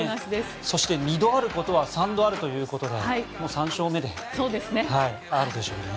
そして二度あることは三度あるということで３勝目であるでしょうね。